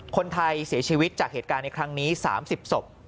คนไทยเสียชีวิตจากเหตุการณ์ในครั้งนี้๓๐ศพ